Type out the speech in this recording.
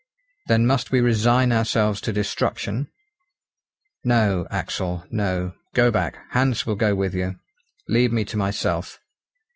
"Then must we resign ourselves to destruction?" "No, Axel, no; go back. Hans will go with you. Leave me to myself!"